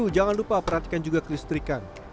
jangan lupa perhatikan juga kelistrikan